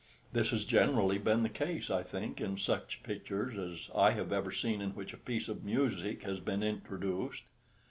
This has generally been the case, I think, in such pictures as I have ever seen in which a piece of music has been introduced.